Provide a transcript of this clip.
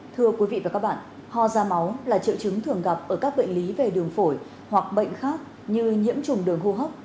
thưa quý vị và các bạn ho da máu là triệu chứng thường gặp ở các bệnh lý về đường phổi hoặc bệnh khác như nhiễm trùng đường hô hấp